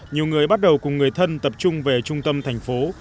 nhiều người bắt đầu cùng người thân tập trung về trung tâm thành phố